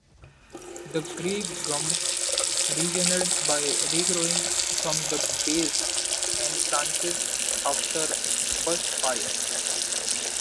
The grey gum regenerates by regrowing from the base and branches after bushfire.